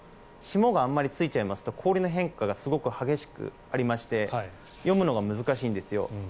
霜があまりついちゃうと氷の変化がすごく激しくありまして読むのが難しいんです。